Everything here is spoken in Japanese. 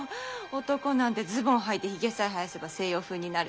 男なんてズボンはいてひげさえ生やせば西洋風になるけど。